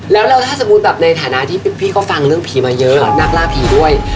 แล้วถ้าสมมุติแบบในฐานะที่พี่ก็ฟังเรื่องผีมาเยอะนักล่าผีด้วย